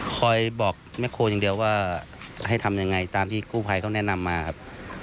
บอกแม่ครัวอย่างเดียวว่าให้ทำยังไงตามที่กู้ภัยเขาแนะนำมาครับ